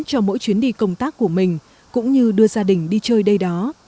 cho mỗi chuyến đi công tác của mình cũng như đưa gia đình đi chơi đây đó